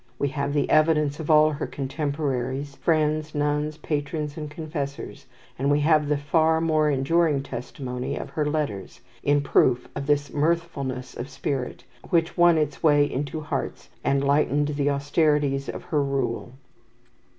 We have the evidence of all her contemporaries, friends, nuns, patrons, and confessors; and we have the far more enduring testimony of her letters, in proof of this mirthfulness of spirit, which won its way into hearts, and lightened the austerities of her rule.